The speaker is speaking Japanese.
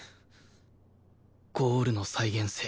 ゴールの再現性